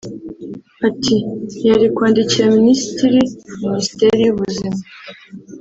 Ati "Yari kwandikira Minisitiri Minisiteri y’ubuzima